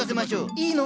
いいの？